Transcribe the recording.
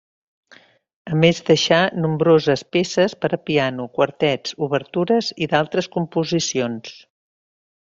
A més deixà, nombroses peces per a piano, quartets, obertures i d'altres composicions.